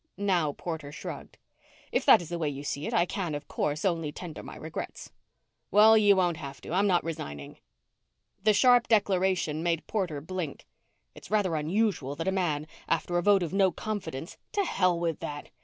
Now Porter shrugged. "If that is the way you see it, I can, of course, only tender my regrets." "Well, you won't have to. I'm not resigning." The sharp declaration made Porter blink. "It's rather unusual that a man, after a vote of no confidence " "To hell with that.